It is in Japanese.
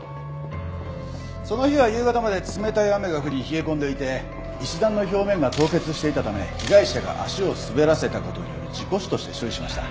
その日は夕方まで冷たい雨が降り冷え込んでいて石段の表面が凍結していたため被害者が足を滑らせた事による事故死として処理しました。